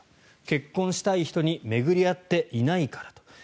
結婚したい人に巡り合っていないから。